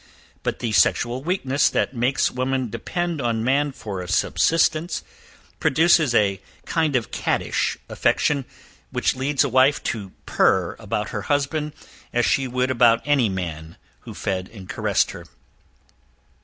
But the sexual weakness that makes woman depend on man for a subsistence, produces a kind of cattish affection, which leads a wife to purr about her husband, as she would about any man who fed and caressed her.